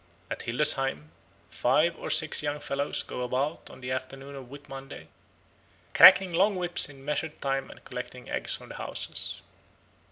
At Hildesheim five or six young fellows go about on the afternoon of Whit Monday cracking long whips in measured time and collecting eggs from the houses.